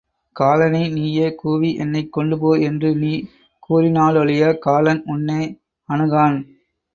காலனை நீயே கூவி என்னைக் கொண்டுபோ என்று நீ கூறினாலொழிய காலன் உன்னே அனுகான்.